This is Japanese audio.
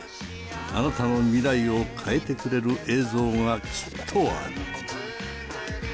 あなたの未来を変えてくれる映像がきっとある。